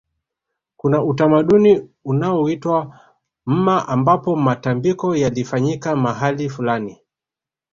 Kuna utamaduni unaoitwa mma ambapo matambiko yalifanyika mahali fulani